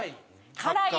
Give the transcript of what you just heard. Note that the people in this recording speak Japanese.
辛い？